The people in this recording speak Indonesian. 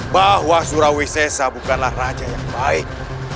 bahwa surawi sesa bukanlah raja yang baik